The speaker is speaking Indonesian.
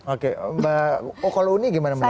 oke mbak okoloni gimana melihatnya